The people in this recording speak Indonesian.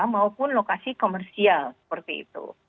maupun lokasi komersial seperti itu